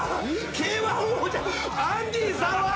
Ｋ−１王者アンディ・サワー。